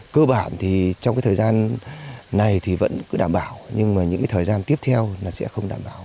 cơ bản thì trong thời gian này vẫn cứ đảm bảo nhưng những thời gian tiếp theo sẽ không đảm bảo